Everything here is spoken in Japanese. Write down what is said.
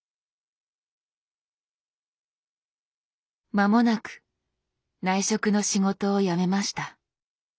間もなく内職の仕事をやめました。